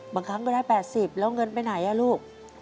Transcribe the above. บางครั้งก็ได้๘๐แล้วเงินไปไหนลูก